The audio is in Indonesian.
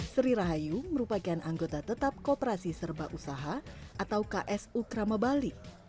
sri rahayu merupakan anggota tetap kooperasi serba usaha atau ksu krama bali